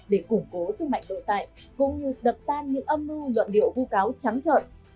để củng cố sức mạnh đội tài cũng như đập tan những âm mưu luận điệu vô cáo trắng trợn